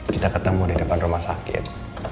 kita ketemu di depan rumah sakit